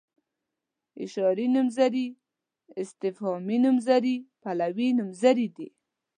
اشاري نومځري استفهامي نومځري پلوي نومځري دي.